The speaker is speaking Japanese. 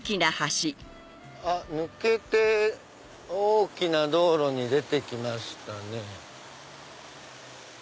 あっ抜けて大きな道路に出て来ましたね。